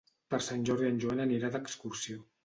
Per Sant Jordi en Joan anirà d'excursió.